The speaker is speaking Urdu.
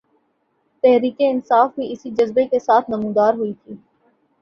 تحریک انصاف بھی اسی جذبے کے ساتھ نمودار ہوئی تھی۔